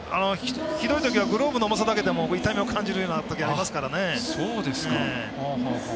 ひどい時はグローブの重さだけでも痛みを感じる時ありますから。